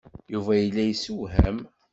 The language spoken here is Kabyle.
Yuba yella yesewham.